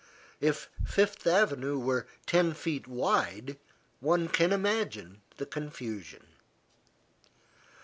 If Fifth Avenue were ten feet wide, one can imagine the confusion.